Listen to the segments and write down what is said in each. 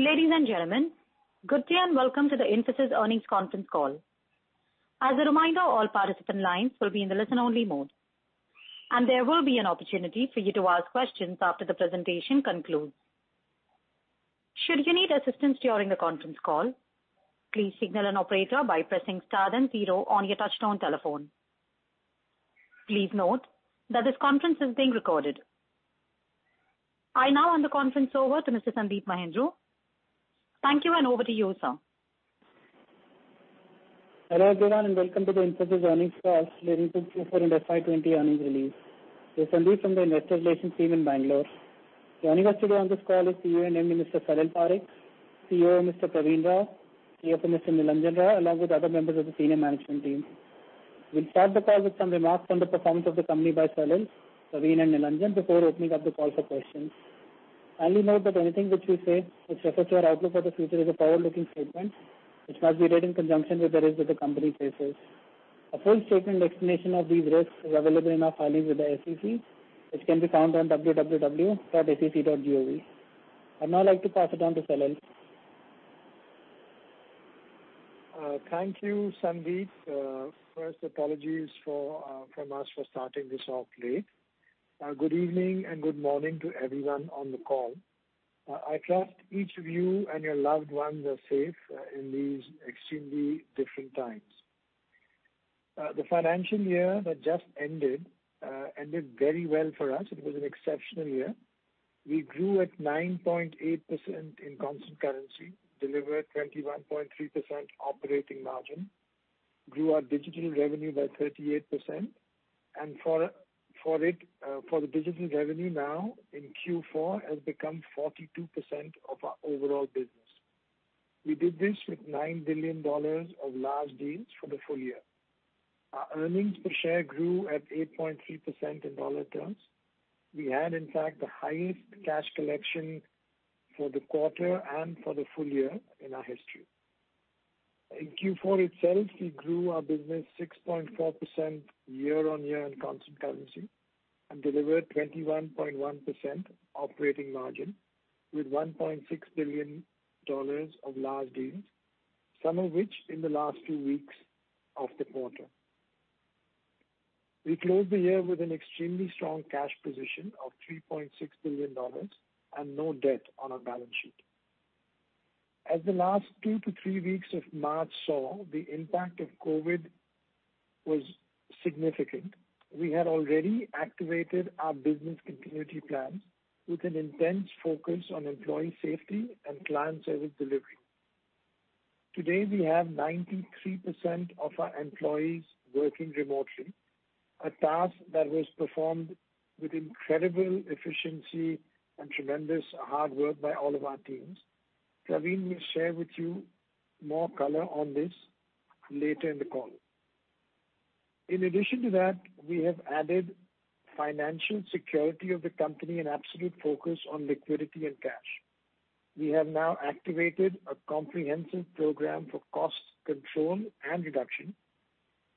Ladies and gentlemen, good day and welcome to the Infosys earnings conference call. As a reminder, all participant lines will be in the listen only mode, and there will be an opportunity for you to ask questions after the presentation concludes. Should you need assistance during the conference call, please signal an operator by pressing star and zero on your touchtone telephone. Please note that this conference is being recorded. I now hand the conference over to Mr. Sandeep Mahindroo. Thank you, and over to you, sir. Hello, everyone, and welcome to the Infosys earnings call relating to Q4 and FY 2020 earnings release. This is Sandeep from the investor relations team in Bangalore. Joining us today on this call is CEO and MD, Mr. Salil Parekh, COO, Mr. Pravin Rao, CFO, Mr. Nilanjan Roy, along with other members of the senior management team. We'll start the call with some remarks on the performance of the company by Salil, Praveen, and Nilanjan before opening up the call for questions. Finally, note that anything which we say which refers to our outlook for the future is a forward-looking statement, which must be read in conjunction with the risks that the company faces. A full statement explanation of these risks is available in our filings with the SEC, which can be found on www.sec.gov. I'd now like to pass it on to Salil. Thank you, Sandeep. First, apologies from us for starting this off late. Good evening and good morning to everyone on the call. I trust each of you and your loved ones are safe in these extremely different times. The financial year that just ended very well for us. It was an exceptional year. We grew at 9.8% in constant currency, delivered 21.3% operating margin, grew our digital revenue by 38%, and for the digital revenue now in Q4 has become 42% of our overall business. We did this with $9 billion of large deals for the full year. Our earnings per share grew at 8.3% in dollar terms. We had, in fact, the highest cash collection for the quarter and for the full year in our history. In Q4 itself, we grew our business 6.4% year-on-year in constant currency and delivered 21.1% operating margin with $1.6 billion of large deals, some of which in the last few weeks of the quarter. We closed the year with an extremely strong cash position of $3.6 billion and no debt on our balance sheet. As the last two to three weeks of March saw, the impact of COVID was significant. We had already activated our business continuity plans with an intense focus on employee safety and client service delivery. Today, we have 93% of our employees working remotely, a task that was performed with incredible efficiency and tremendous hard work by all of our teams. Pravin will share with you more color on this later in the call. In addition to that, we have added financial security of the company and absolute focus on liquidity and cash. We have now activated a comprehensive program for cost control and reduction.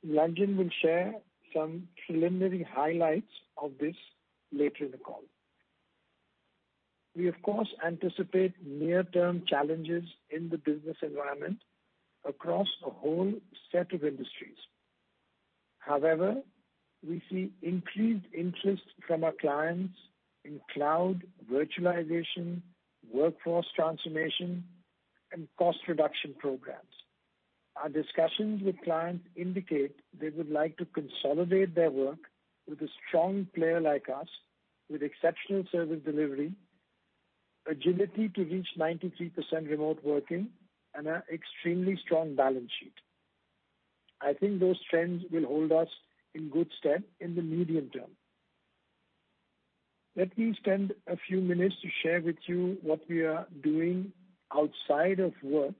Nilanjan will share some preliminary highlights of this later in the call. We, of course, anticipate near-term challenges in the business environment across a whole set of industries. We see increased interest from our clients in cloud virtualization, workforce transformation, and cost reduction programs. Our discussions with clients indicate they would like to consolidate their work with a strong player like us with exceptional service delivery, agility to reach 93% remote working, and an extremely strong balance sheet. I think those trends will hold us in good stead in the medium term. Let me spend a few minutes to share with you what we are doing outside of work,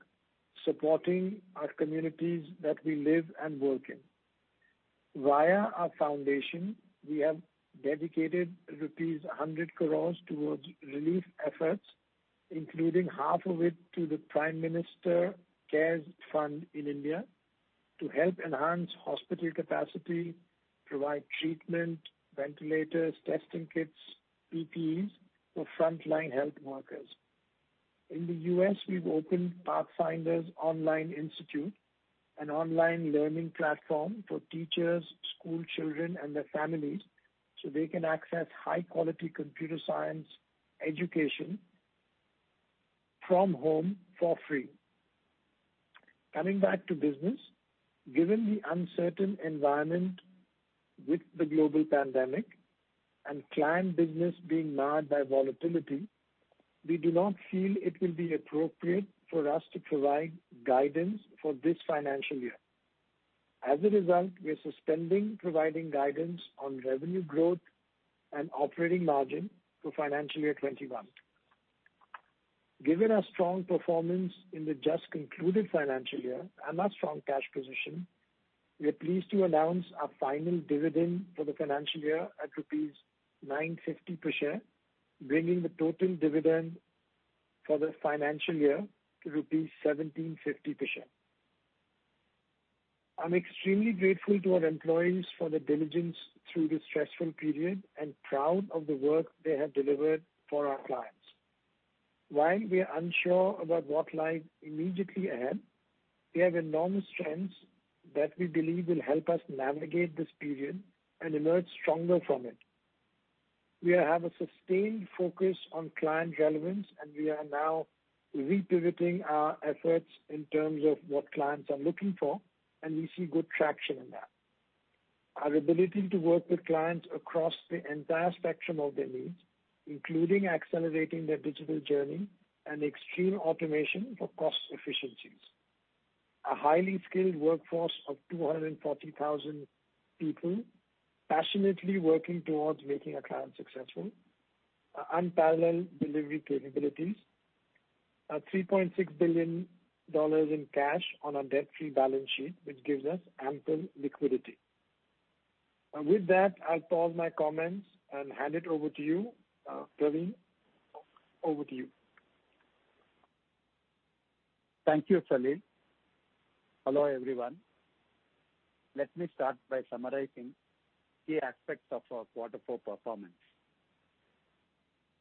supporting our communities that we live and work in. Via our foundation, we have dedicated rupees 100 crore towards relief efforts, including half of it to the Prime Minister's CARES Fund in India to help enhance hospital capacity, provide treatment, ventilators, testing kits, PPEs for frontline health workers. In the U.S., we've opened Pathfinders Online Institute, an online learning platform for teachers, school children, and their families, so they can access high-quality computer science education from home for free. Coming back to business, given the uncertain environment with the global pandemic and client business being marred by volatility, we do not feel it will be appropriate for us to provide guidance for this financial year. As a result, we are suspending providing guidance on revenue growth and operating margin for FY 2021. Given our strong performance in the just concluded financial year and our strong cash position, we are pleased to announce our final dividend for the financial year at rupees 9.50 per share, bringing the total dividend for the financial year to rupees 17.50 per share. I'm extremely grateful to our employees for their diligence through this stressful period and proud of the work they have delivered for our clients. While we are unsure about what lies immediately ahead, we have enormous strengths that we believe will help us navigate this period and emerge stronger from it. We have a sustained focus on client relevance, and we are now repivoting our efforts in terms of what clients are looking for, and we see good traction in that. Our ability to work with clients across the entire spectrum of their needs, including accelerating their digital journey and extreme automation for cost efficiencies. A highly skilled workforce of 240,000 people passionately working towards making our clients successful. Unparalleled delivery capabilities. A INR 3.6 billion in cash on our debt-free balance sheet, which gives us ample liquidity. With that, I'll pause my comments and hand it over to you. Pravin, over to you. Thank you, Salil. Hello, everyone. Let me start by summarizing key aspects of our Quarter four performance.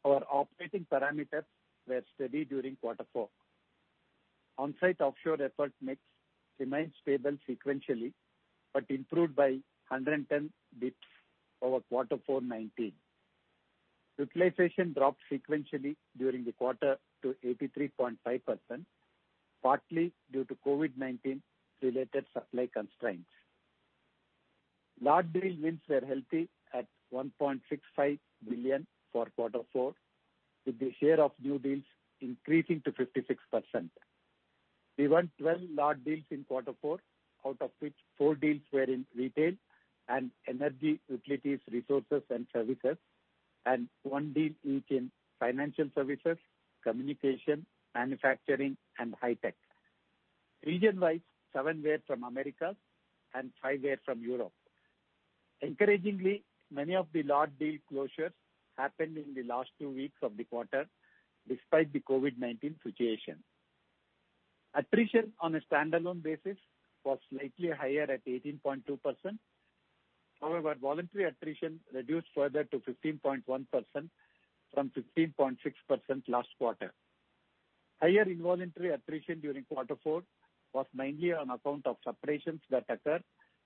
Our operating parameters were steady during Quarter four. On-site, offshore effort mix remains stable sequentially, but improved by 110 basis points over quarter four 2019. Utilization dropped sequentially during the quarter to 83.5%, partly due to COVID-19 related supply constraints. Large deal wins were healthy at $1.65 billion for Quarter four, with the share of new deals increasing to 56%. We won two large deals in quarter four, out of which four deals were in retail and energy, utilities, resources, and services, and one deal each in financial services, communication, manufacturing, and high tech. Region-wise, seven were from Americas and five were from Europe. Encouragingly, many of the large deal closures happened in the last two weeks of the quarter, despite the COVID-19 situation. Attrition on a standalone basis was slightly higher at 18.2%. However, voluntary attrition reduced further to 15.1% from 15.6% last quarter. Higher involuntary attrition during Quarter four was mainly on account of separations that occurred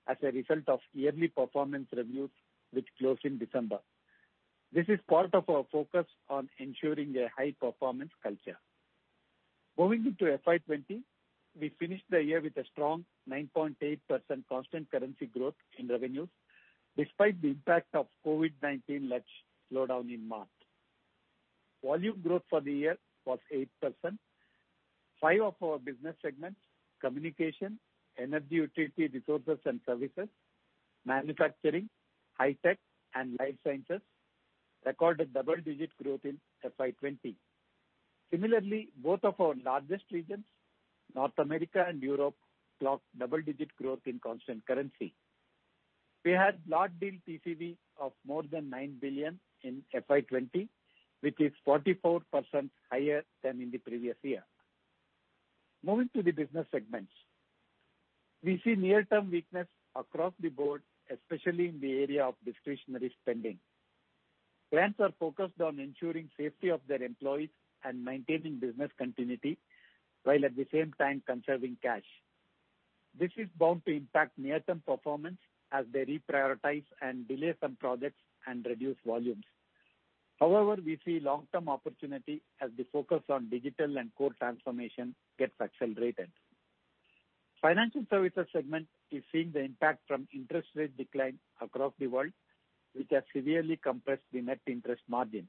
as a result of yearly performance reviews, which closed in December. This is part of our focus on ensuring a high-performance culture. Moving into FY 2020, we finished the year with a strong 9.8% constant currency growth in revenues, despite the impact of COVID-19-led slowdown in March. Volume growth for the year was 8%. Five of our business segments, communication, energy, utility, resources, and services, manufacturing, high tech, and life sciences, recorded double-digit growth in FY 2020. Similarly, both of our largest regions, North America and Europe, clocked double-digit growth in constant currency. We had large deal TCV of more than 9 billion in FY 2020, which is 44% higher than in the previous year. Moving to the business segments. We see near-term weakness across the board, especially in the area of discretionary spending. Clients are focused on ensuring safety of their employees and maintaining business continuity, while at the same time conserving cash. This is bound to impact near-term performance as they reprioritize and delay some projects and reduce volumes. However, we see long-term opportunity as the focus on digital and core transformation gets accelerated. Financial services segment is seeing the impact from interest rate decline across the world, which has severely compressed the net interest margin.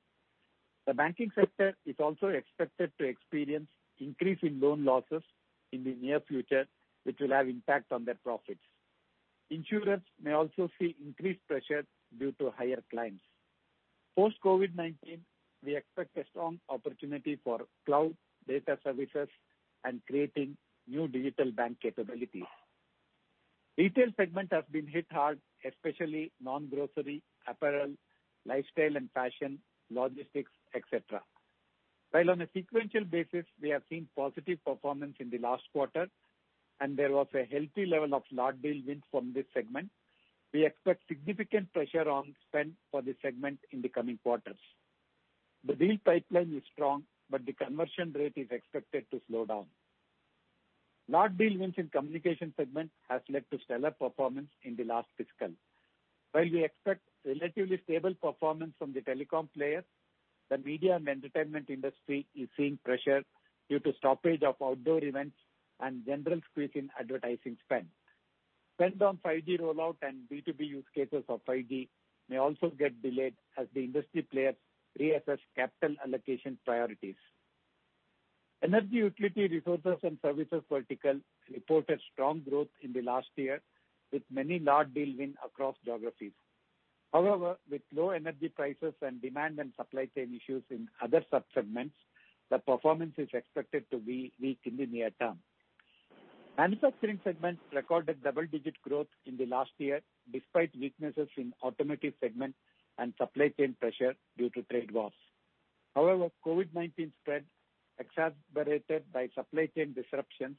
The banking sector is also expected to experience increase in loan losses in the near future, which will have impact on their profits. Insurance may also see increased pressure due to higher claims. Post COVID-19, we expect a strong opportunity for cloud data services and creating new digital bank capabilities. Retail segment has been hit hard, especially non-grocery, apparel, lifestyle and fashion, logistics, etc. On a sequential basis, we have seen positive performance in the last quarter, and there was a healthy level of large deal wins from this segment. We expect significant pressure on spend for the segment in the coming quarters. The deal pipeline is strong, but the conversion rate is expected to slow down. Large deal wins in communication segment has led to stellar performance in the last fiscal. We expect relatively stable performance from the telecom players, the media and entertainment industry is seeing pressure due to stoppage of outdoor events and general squeeze in advertising spend. Spend on 5G rollout and B2B use cases of 5G may also get delayed as the industry players reassess capital allocation priorities. Energy, utility, resources, and services vertical reported strong growth in the last year with many large deal wins across geographies. With low energy prices and demand and supply chain issues in other sub-segments, the performance is expected to be weak in the near term. Manufacturing segment recorded double-digit growth in the last year despite weaknesses in automotive segment and supply chain pressure due to trade wars. COVID-19 spread, exacerbated by supply chain disruptions,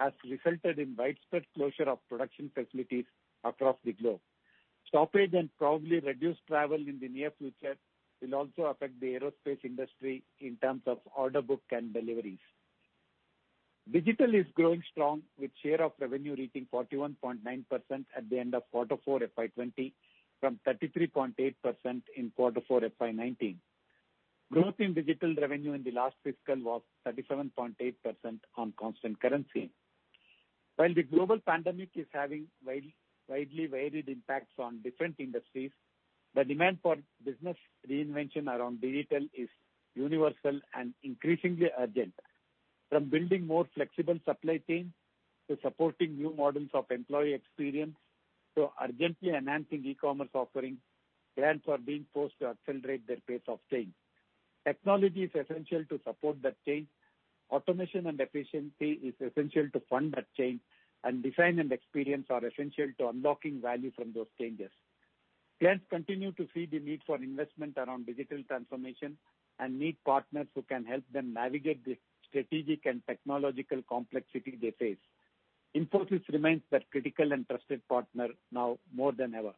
has resulted in widespread closure of production facilities across the globe. Stoppage and probably reduced travel in the near future will also affect the aerospace industry in terms of order book and deliveries. Digital is growing strong, with share of revenue reaching 41.9% at the end of quarter four FY 2020, from 33.8% in quarter four FY 2019. Growth in digital revenue in the last fiscal was 37.8% on constant currency. While the global pandemic is having widely varied impacts on different industries, the demand for business reinvention around digital is universal and increasingly urgent. From building more flexible supply chains, to supporting new models of employee experience, to urgently enhancing e-commerce offerings, clients are being forced to accelerate their pace of change. Technology is essential to support that change. Automation and efficiency is essential to fund that change, and design and experience are essential to unlocking value from those changes. Clients continue to see the need for investment around digital transformation and need partners who can help them navigate the strategic and technological complexity they face. Infosys remains that critical and trusted partner, now more than ever.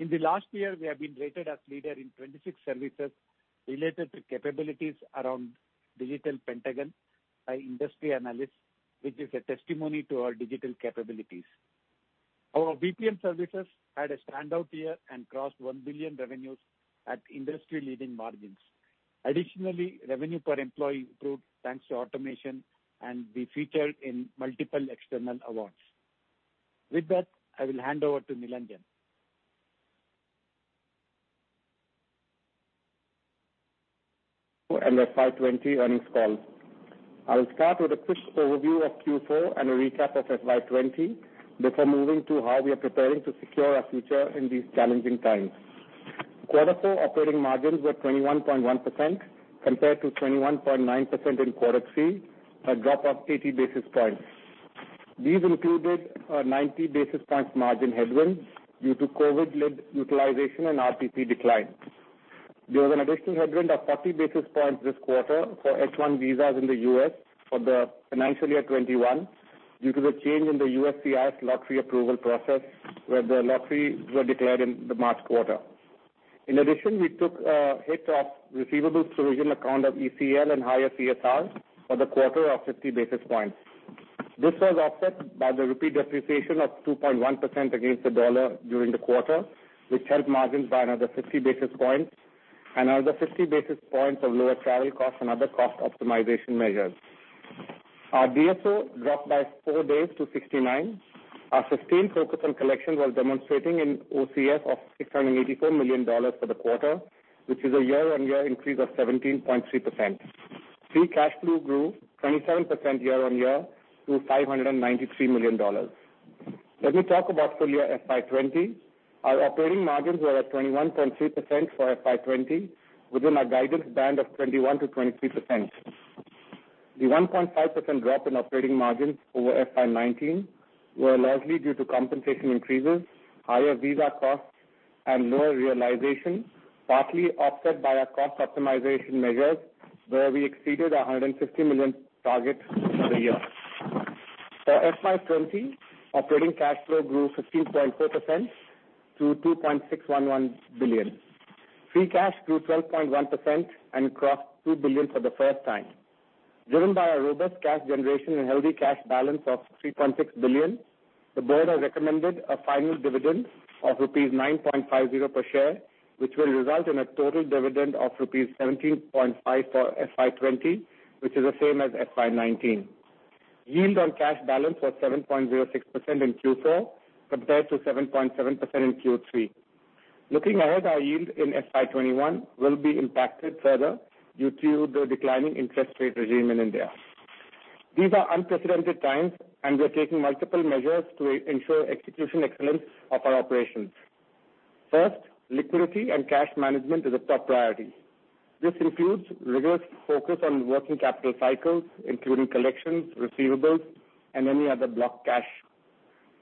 In the last year, we have been rated as leader in 26 services related to capabilities around Digital Pentagon by industry analysts, which is a testimony to our digital capabilities. Our BPM services had a standout year and crossed 1 billion revenues at industry-leading margins. Additionally, revenue per employee improved thanks to automation and we featured in multiple external awards. With that, I will hand over to Nilanjan. FY 2020 earnings call. I'll start with a quick overview of Q4 and a recap of FY 2020 before moving to how we are preparing to secure our future in these challenging times. Quarter four operating margins were 21.1% compared to 21.9% in quarter three, a drop of 80 basis points. These included 90 basis points margin headwinds due to COVID-led utilization and RTP decline. There was an additional headwind of 30 basis points this quarter for H-1B visas in the U.S. for FY 2021 due to the change in the USCIS lottery approval process, where the lottery were declared in the March quarter. In addition, we took a hit of receivables provision account of ECL and higher CSR for the quarter of 50 basis points. This was offset by the rupee depreciation of 2.1% against the U.S. dollar during the quarter, which helped margins by another 50 basis points, another 50 basis points of lower travel costs and other cost optimization measures. Our DSO dropped by four days to 69. Our sustained focus on collections was demonstrating in OCF of $684 million for the quarter, which is a year-on-year increase of 17.3%. Free cash flow grew 27% year-on-year to $593 million. Let me talk about full year FY 2020. Our operating margins were at 21.3% for FY 2020, within our guidance band of 21%-23%. The 1.5% drop in operating margins over FY 2019 were largely due to compensation increases, higher visa costs, and lower realization, partly offset by our cost optimization measures, where we exceeded $150 million targets for the year. For FY 2020, operating cash flow grew 15.4% to $2.611 billion. Free cash grew 12.1% and crossed INR 2 billion for the first time. Driven by a robust cash generation and healthy cash balance of INR 3.6 billion, the board has recommended a final dividend of INR 9.50 per share, which will result in a total dividend of INR 17.5 for FY 2020, which is the same as FY 2019. Yield on cash balance was 7.06% in Q4 compared to 7.7% in Q3. Looking ahead, our yield in FY 2021 will be impacted further due to the declining interest rate regime in India. These are unprecedented times, and we're taking multiple measures to ensure execution excellence of our operations. First, liquidity and cash management is a top priority. This includes rigorous focus on working capital cycles, including collections, receivables, and any other blocked cash.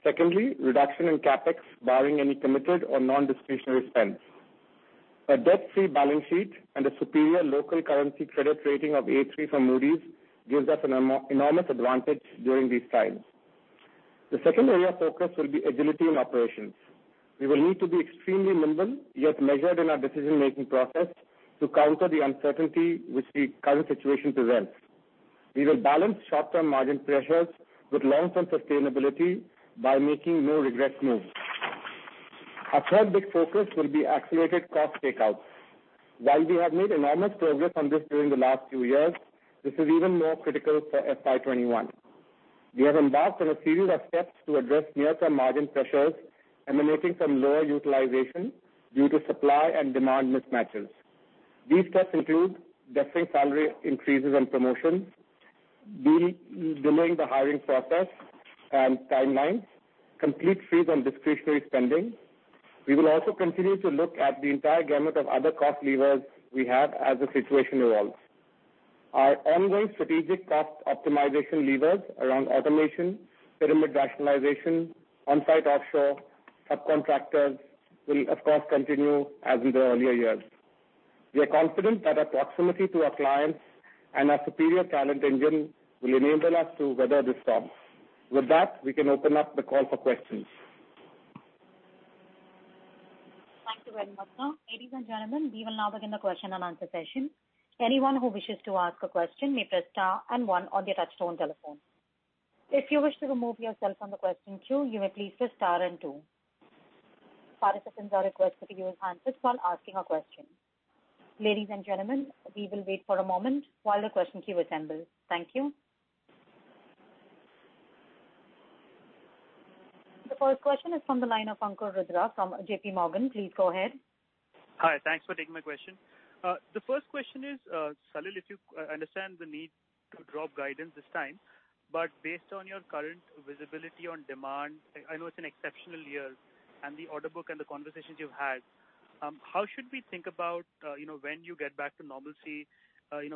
Secondly, reduction in CapEx, barring any committed or non-discretionary spends. A debt-free balance sheet and a superior local currency credit rating of A3 from Moody's gives us an enormous advantage during these times. The second area of focus will be agility in operations. We will need to be extremely nimble, yet measured in our decision-making process to counter the uncertainty which the current situation presents. We will balance short-term margin pressures with long-term sustainability by making no regrets moves. Our third big focus will be accelerated cost takeouts. While we have made enormous progress on this during the last few years, this is even more critical for FY 2021. We have embarked on a series of steps to address near-term margin pressures emanating from lower utilization due to supply and demand mismatches. These steps include deferring salary increases and promotions, delaying the hiring process and timelines, complete freeze on discretionary spending. We will also continue to look at the entire gamut of other cost levers we have as the situation evolves. Our ongoing strategic cost optimization levers around automation, pyramid rationalization, on-site offshore subcontractors will of course continue as in the earlier years. We are confident that our proximity to our clients and our superior talent engine will enable us to weather the storm. With that, we can open up the call for questions. Thank you very much, sir. Ladies and gentlemen, we will now begin the question and answer session. Anyone who wishes to ask a question may press star and one on their touch-tone telephone. If you wish to remove yourself from the question queue, you may please press star and two. Participants are requested to use answers while asking a question. Ladies and gentlemen, we will wait for a moment while the question queue assembles. Thank you. The first question is from the line of Ankur Rudra from JPMorgan. Please go ahead. Hi. Thanks for taking my question. The first question is, Salil, if you understand the need to drop guidance this time, but based on your current visibility on demand, I know it's an exceptional year, and the order book and the conversations you've had, how should we think about when you get back to normalcy, in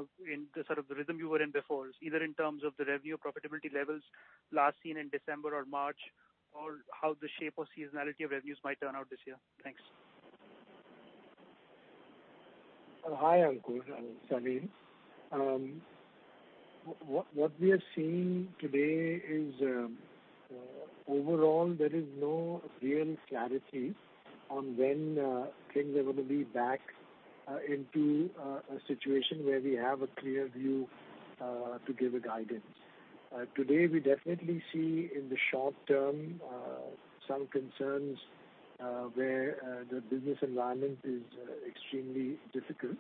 the sort of the rhythm you were in before, either in terms of the revenue profitability levels last seen in December or March, or how the shape or seasonality of revenues might turn out this year? Thanks. Hi, Ankur. I'm Salil. What we are seeing today is, overall, there is no real clarity on when things are going to be back into a situation where we have a clear view to give a guidance. Today, we definitely see in the short term some concerns where the business environment is extremely difficult.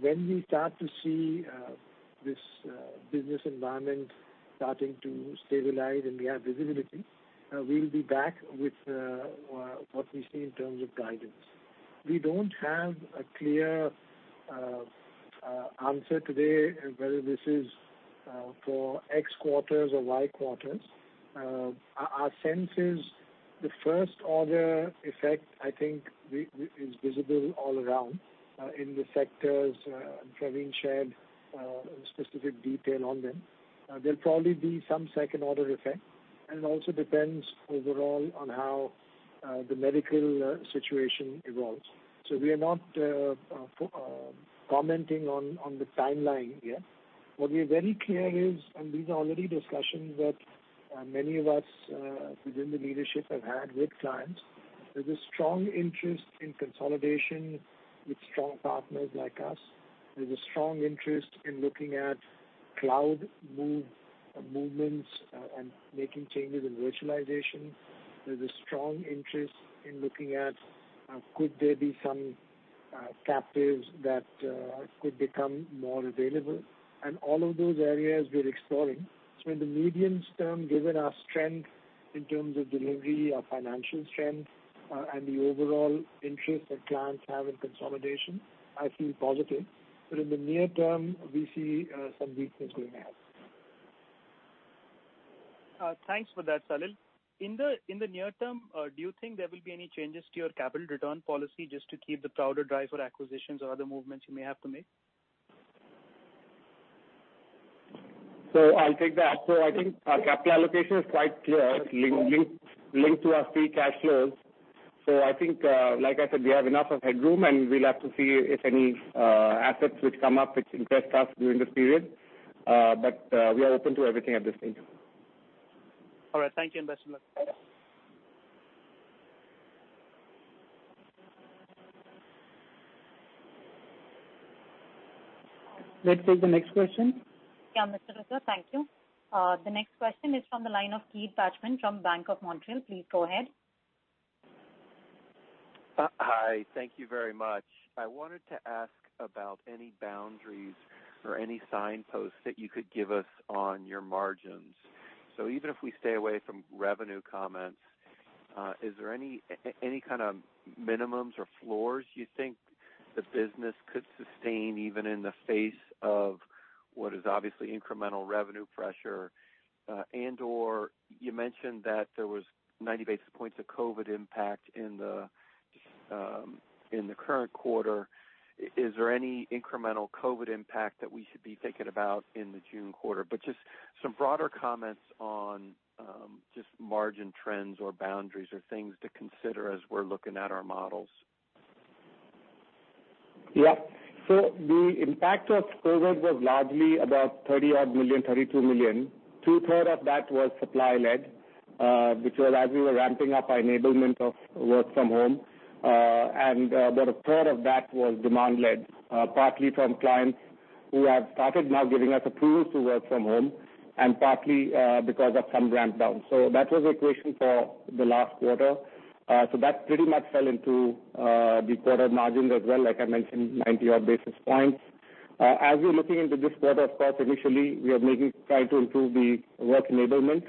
When we start to see this business environment starting to stabilize and we have visibility, we'll be back with what we see in terms of guidance. We don't have a clear answer today whether this is for X quarters or Y quarters. Our sense is the first-order effect, I think, is visible all around in the sectors Pravin shared specific detail on them. There'll probably be some second order effect, and it also depends overall on how the medical situation evolves. We are not commenting on the timeline yet. What we are very clear is. These are already discussions that many of us within the leadership have had with clients. There's a strong interest in consolidation with strong partners like us. There's a strong interest in looking at cloud movements and making changes in virtualization. There's a strong interest in looking at could there be some captives that could become more available. All of those areas we're exploring. In the medium term, given our strength in terms of delivery, our financial strength, and the overall interest that clients have in consolidation, I feel positive. In the near term, we see some weakness going ahead. Thanks for that, Salil. In the near term, do you think there will be any changes to your capital return policy just to keep the powder dry for acquisitions or other movements you may have to make? I'll take that. I think our capital allocation is quite clear. It's linked to our free cash flows. I think, like I said, we have enough of headroom, and we'll have to see if any assets which come up which interest us during this period. We are open to everything at this stage. All right. Thank you, Investec. Let's take the next question. Yeah, Mr. Rudra. Thank you. The next question is from the line of Keith Bachman from Bank of Montreal. Please go ahead. Hi. Thank you very much. I wanted to ask about any boundaries or any signposts that you could give us on your margins. Even if we stay away from revenue comments, is there any kind of minimums or floors you think the business could sustain even in the face of what is obviously incremental revenue pressure? You mentioned that there was 90 basis points of COVID impact in the current quarter. Is there any incremental COVID impact that we should be thinking about in the June quarter? Just some broader comments on just margin trends or boundaries or things to consider as we're looking at our models. The impact of COVID was largely about 30 odd million, 32 million. Two-third of that was supply led, which was as we were ramping up our enablement of work from home. About a third of that was demand led, partly from clients who have started now giving us approvals to work from home, and partly because of some ramp down. That was the equation for the last quarter. That pretty much fell into the quarter margins as well, like I mentioned, 90 odd basis points. As we are looking into this quarter, of course, initially, we are maybe trying to improve the work enablement.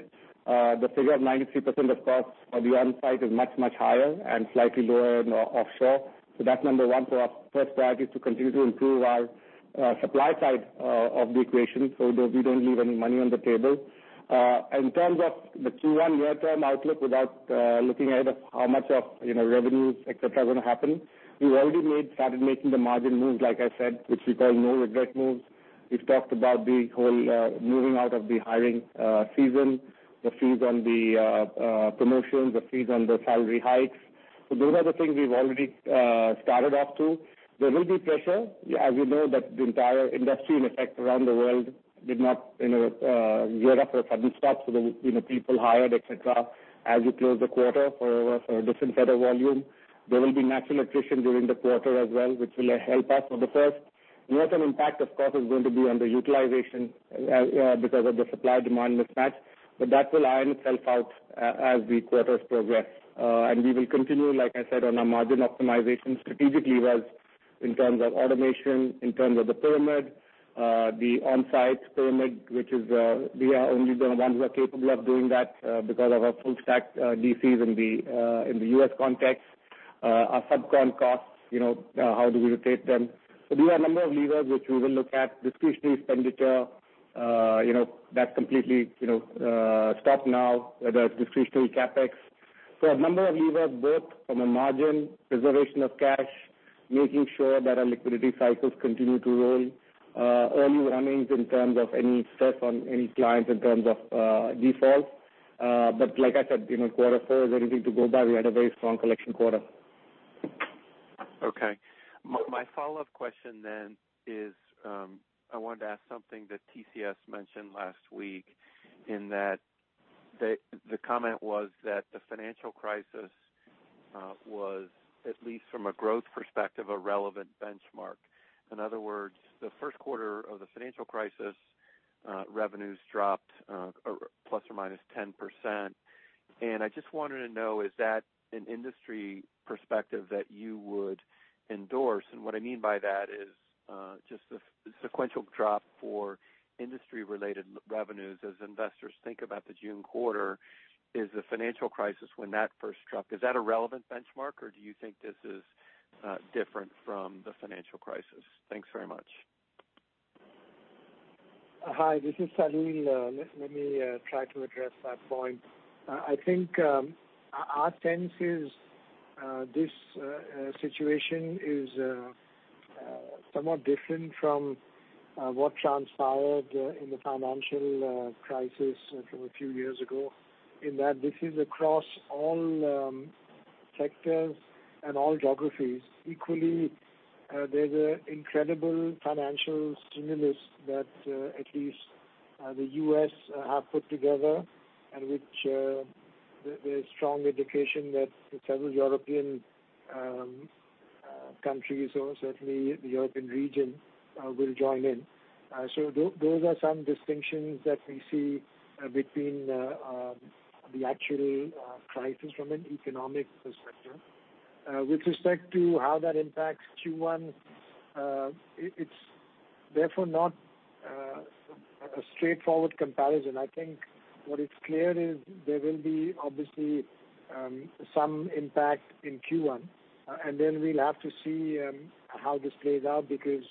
The figure of 93% of staff on the on-site is much, much higher and slightly lower in offshore. That's number one for the supply side of the equation, so that we don't leave any money on the table. In terms of the Q1 near-term outlook, without looking ahead of how much of revenue, et cetera, are going to happen, we've already started making the margin moves, like I said, which we call no regret moves. We've talked about the whole moving out of the hiring season, the freeze on the promotions, the freeze on the salary hikes. Those are the things we've already started off to. There will be pressure. As you know, that the entire industry, in effect, around the world did not gear up for a sudden stop. The people hired, etc, as we close the quarter for different set of volume. There will be natural attrition during the quarter as well, which will help us for the first. Near-term impact, of course, is going to be on the utilization because of the supply-demand mismatch. That will iron itself out as the quarters progress. We will continue, like I said, on our margin optimization strategically well in terms of automation, in terms of the pyramid, the onsite pyramid, which we are only the ones who are capable of doing that because of our full stack DCs in the U.S. context. Our sub con costs, how do we rotate them? These are a number of levers which we will look at. Discretionary expenditure, that's completely stopped now, whether it's discretionary CapEx. A number of levers, both from a margin preservation of cash, making sure that our liquidity cycles continue to roll, early warnings in terms of any stress on any clients in terms of defaults. Like I said, quarter four is anything to go by. We had a very strong collection quarter. Okay. My follow-up question then is, I wanted to ask something that TCS mentioned last week, in that the comment was that the financial crisis was, at least from a growth perspective, a relevant benchmark. In other words, the first quarter of the financial crisis, revenues dropped ±10%. I just wanted to know, is that an industry perspective that you would endorse? What I mean by that is just the sequential drop for industry-related revenues as investors think about the June quarter, is the financial crisis when that first struck. Is that a relevant benchmark, or do you think this is different from the financial crisis? Thanks very much. Hi, this is Salil. Let me try to address that point. I think our sense is this situation is somewhat different from what transpired in the financial crisis from a few years ago, in that this is across all sectors and all geographies. Equally, there's an incredible financial stimulus that at least the U.S. have put together, and which there's strong indication that several European countries or certainly the European region will join in. Those are some distinctions that we see between the actual crisis from an economic perspective. With respect to how that impacts Q1, it's therefore not a straightforward comparison. I think what is clear is there will be, obviously, some impact in Q1, and then we'll have to see how this plays out, because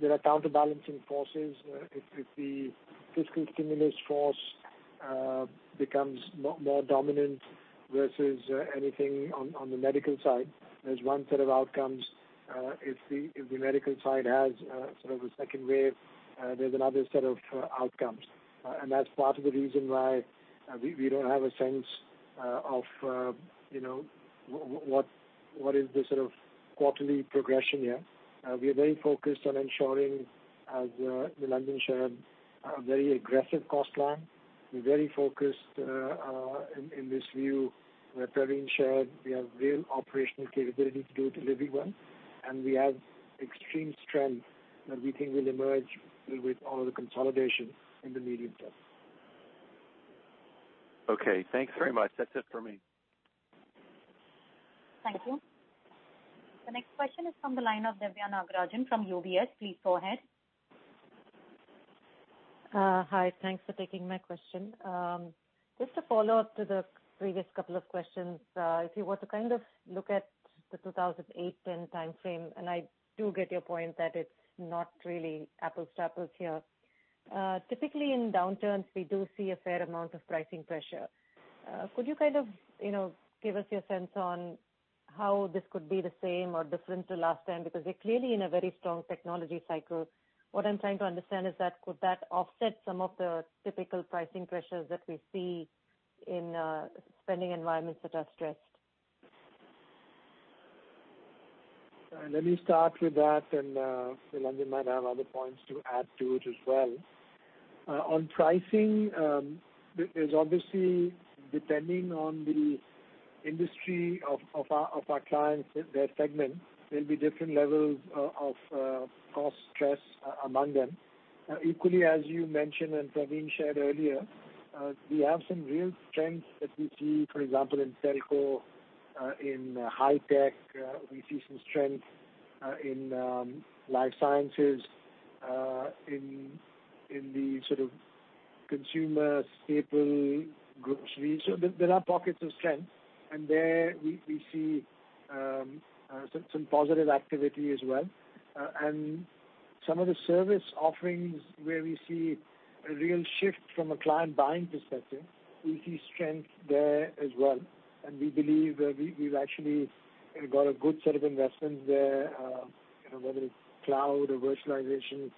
there are counterbalancing forces. If the fiscal stimulus force becomes more dominant versus anything on the medical side, there's one set of outcomes. If the medical side has sort of a second wave, there's another set of outcomes. That's part of the reason why we don't have a sense of what is the sort of quarterly progression here. We are very focused on ensuring, as Nilanjan shared, a very aggressive cost plan. We're very focused in this view where Pravin shared we have real operational capability to do delivery one. We have extreme strength that we think will emerge with all the consolidation in the medium term. Okay, thanks very much. That's it for me. Thank you. The next question is from the line of Divya Nagarajan from UBS. Please go ahead. Hi. Thanks for taking my question. Just a follow-up to the previous couple of questions. If you were to kind of look at the 2008-2010 timeframe, and I do get your point that it's not really apples to apples here. Typically, in downturns, we do see a fair amount of pricing pressure. Could you kind of give us your sense on how this could be the same or different to last time? We're clearly in a very strong technology cycle. What I'm trying to understand is that could that offset some of the typical pricing pressures that we see in spending environments that are stressed? Let me start with that, and Nilanjan might have other points to add to it as well. On pricing, there's obviously, depending on the industry of our clients, their segment, there'll be different levels of cost stress among them. Equally, as you mentioned, and Pravin shared earlier, we have some real strength that we see, for example, in telco, in high tech. We see some strength in life sciences, in the Consumer staple, grocery. There are pockets of strength, and there we see some positive activity as well. Some of the service offerings where we see a real shift from a client buying perspective, we see strength there as well. We believe that we've actually got a good set of investments there, whether it's cloud or virtualization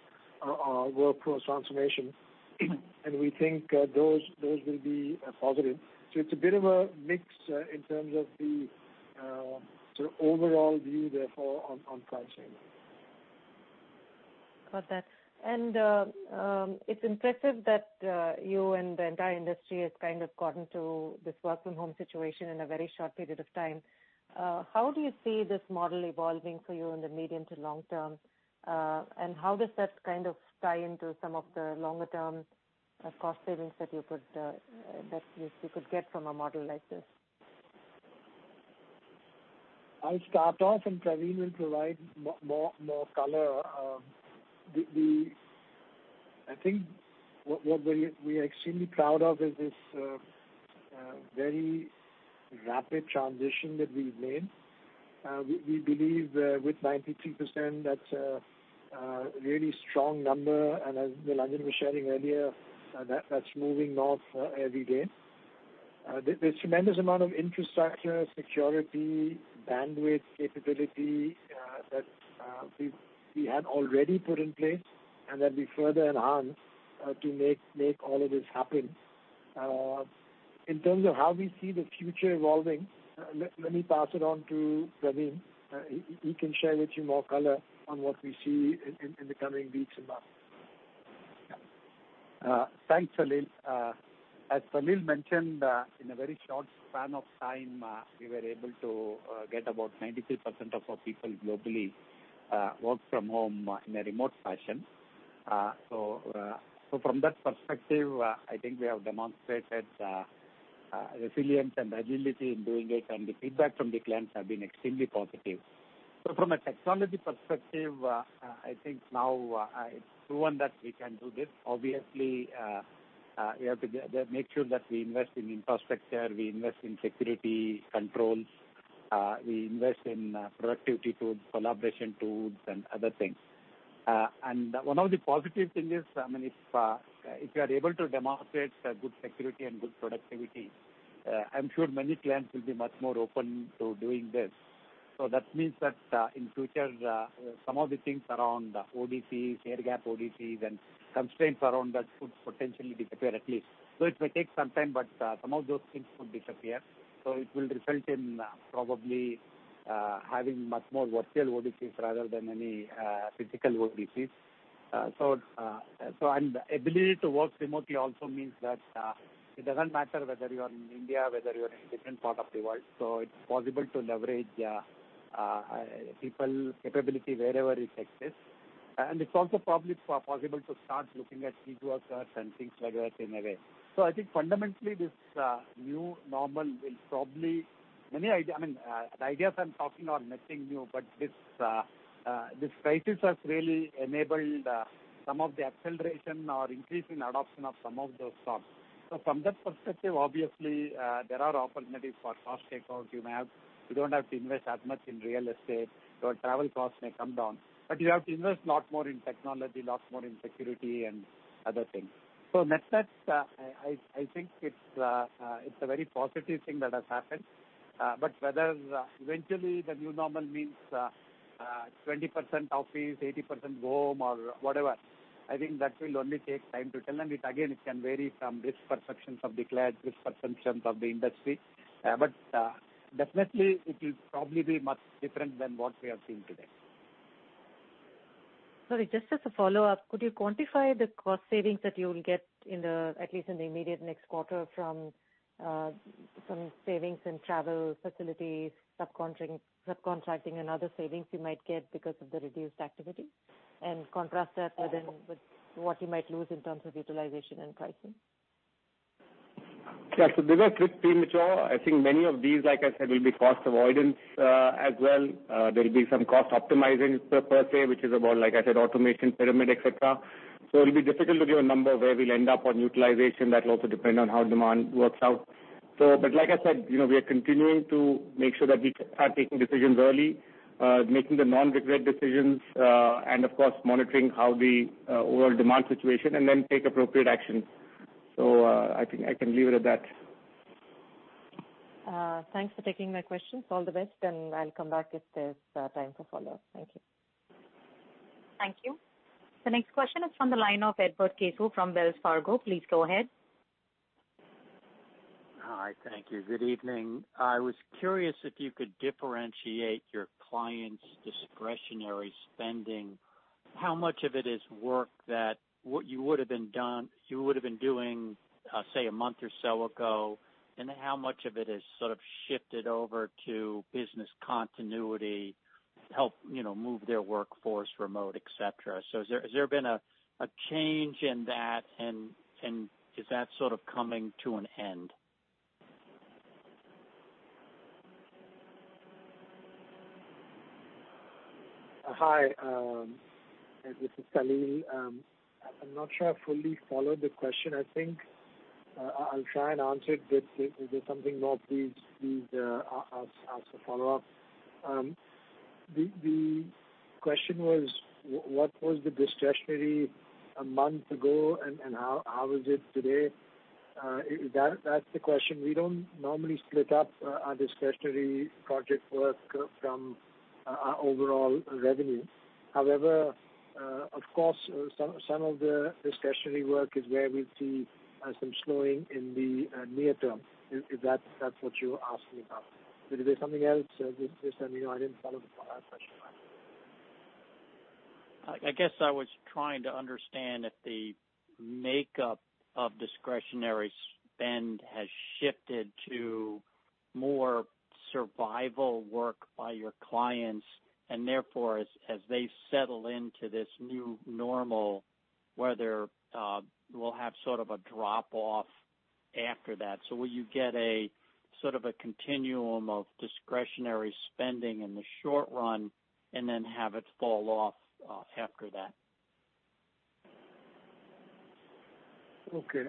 or workforce transformation. We think those will be a positive. It's a bit of a mix in terms of the overall view, therefore, on pricing. Got that. It's impressive that you and the entire industry has gotten to this work from home situation in a very short period of time. How do you see this model evolving for you in the medium to long term? How does that tie into some of the longer-term cost savings that you could get from a model like this? I'll start off, and Pravin will provide more color. I think what we are extremely proud of is this very rapid transition that we've made. We believe with 93%, that's a really strong number. As Nilanjan was sharing earlier, that's moving north every day. There's tremendous amount of infrastructure, security, bandwidth capability, that we had already put in place and that we further enhanced to make all of this happen. In terms of how we see the future evolving, let me pass it on to Pravin. He can share with you more color on what we see in the coming weeks and months. Thanks, Salil. As Salil mentioned, in a very short span of time, we were able to get about 93% of our people globally work from home in a remote fashion. From that perspective, I think we have demonstrated resilience and agility in doing it, and the feedback from the clients have been extremely positive. From a technology perspective, I think now it's proven that we can do this. Obviously, we have to make sure that we invest in infrastructure, we invest in security controls, we invest in productivity tools, collaboration tools, and other things. One of the positive thing is, if you are able to demonstrate good security and good productivity, I'm sure many clients will be much more open to doing this. That means that, in future, some of the things around ODCs, air gap ODCs, and constraints around that could potentially disappear, at least. It may take some time, but some of those things could disappear. It will result in probably having much more virtual ODCs rather than any physical ODCs. Ability to work remotely also means that it doesn't matter whether you are in India, whether you are in a different part of the world. It's possible to leverage people capability wherever it exists. It's also possible to start looking at gig workers and things like that in a way. I think fundamentally this new normal. The ideas I'm talking are nothing new, but this crisis has really enabled some of the acceleration or increase in adoption of some of those thoughts. From that perspective, obviously, there are opportunities for cost takeout. You don't have to invest as much in real estate. Your travel costs may come down. You have to invest lot more in technology, lots more in security, and other things. Net-net, I think it's a very positive thing that has happened. Whether eventually the new normal means 20% office, 80% home or whatever, I think that will only take time to tell. It, again, it can vary from risk perceptions of the client, risk perceptions of the industry. Definitely it will probably be much different than what we have seen today. Sorry, just as a follow-up, could you quantify the cost savings that you will get, at least in the immediate next quarter, from savings in travel facilities, subcontracting, and other savings you might get because of the reduced activity? Contrast that with what you might lose in terms of utilization and pricing? Yeah. These are bit premature. I think many of these, like I said, will be cost avoidance, as well. There'll be some cost optimizing per se, which is about, like I said, automation pyramid, etc. It'll be difficult to give a number where we'll end up on utilization. That will also depend on how demand works out. Like I said, we are continuing to make sure that we are taking decisions early, making the non-regret decisions, and of course, monitoring how the overall demand situation, and then take appropriate action. I think I can leave it at that. Thanks for taking my questions. All the best. I'll come back if there's time for follow-up. Thank you. Thank you. The next question is from the line of Edward Caso from Wells Fargo. Please go ahead. Hi. Thank you. Good evening. I was curious if you could differentiate your clients' discretionary spending. How much of it is work that you would have been doing, say, a month or so ago, and how much of it has sort of shifted over to business continuity, help move their workforce remote, et cetera? Has there been a change in that, and is that sort of coming to an end? Hi, this is Salil. I'm not sure I fully followed the question. I think I'll try and answer it, but if there's something more, please ask a follow-up. The question was, what was the discretionary a month ago, and how is it today? That's the question. We don't normally split up our discretionary project work from our overall revenue. Of course, some of the discretionary work is where we see some slowing in the near term, if that's what you're asking about. If there's something else, just let me know. I didn't follow the first question right. I guess I was trying to understand if the makeup of discretionary spend has shifted to more survival work by your clients. Therefore, as they settle into this new normal, whether we'll have sort of a drop-off after that. Will you get a continuum of discretionary spending in the short run and then have it fall off after that?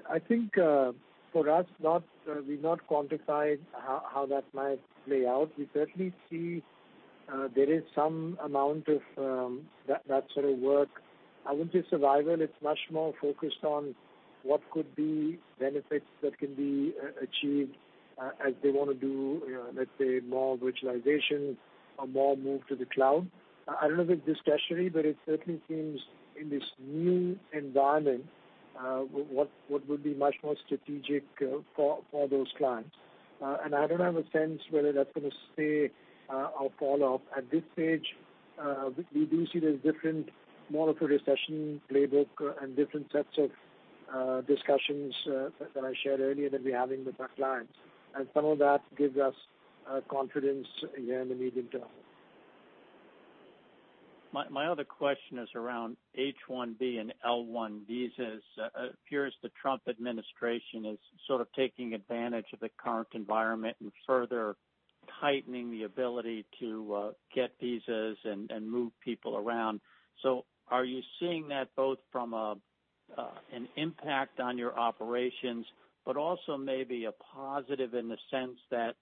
I think, for us, we've not quantified how that might play out. We certainly see there is some amount of that sort of work. I wouldn't say survival. It's much more focused on what could be benefits that can be achieved as they want to do, let's say, more virtualization or more move to the cloud. I don't know if it's discretionary, it certainly seems, in this new environment, what would be much more strategic for those clients. I don't have a sense whether that's going to stay or fall off. At this stage, we do see there's different, more of a recession playbook and different sets of discussions that I shared earlier that we're having with our clients. Some of that gives us confidence in the medium term. My other question is around H-1B and L-1 visas. It appears the Trump administration is sort of taking advantage of the current environment and further tightening the ability to get visas and move people around. Are you seeing that both from an impact on your operations, but also maybe a positive in the sense that